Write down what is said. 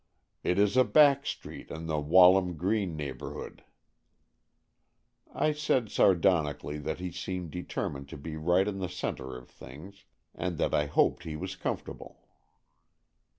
'' It is a back street in the Walham Green neighbourhood." I said sardonically that he seemed deter mined to be right in the centre of things, and that I hoped he was comfortable.